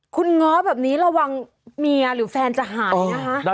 คุณง้อแบบนี้ระวังเมียหรือแฟนจะหายนะคะ